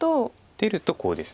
出るとコウです。